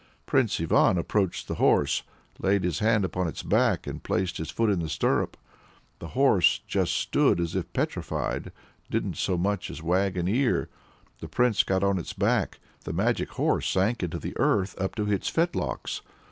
Prince Ivan approached the horse, laid his hand upon its back, placed his foot in the stirrup the horse stood just as if petrified, didn't so much as wag an ear! The Prince got on its back, the magic horse sank into the earth up to its fetlocks.